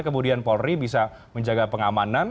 kemudian polri bisa menjaga pengamanan